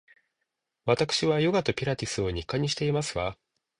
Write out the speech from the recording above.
わたくしはヨガとピラティスを日課にしていますわ